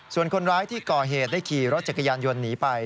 ส่วนคนร้ายที่ก่อเหตุได้ขี่รถจักรยานยนต์หนีไป